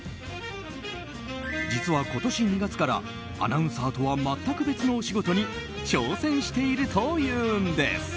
実は今年２月からアナウンサーとは全く別のお仕事に挑戦しているというんです。